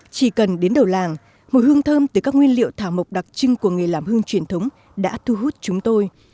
chỉ cần đến đầu làng mùi hương thơm từ các nguyên liệu thảo mộc đặc trưng của nghề làm hương truyền thống đã thu hút chúng tôi